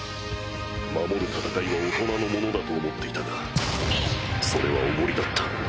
守る戦いは大人のものだと思っていたがそれはおごりだった。